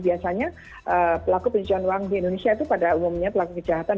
biasanya pelaku pencucian uang di indonesia itu pada umumnya pelaku kejahatan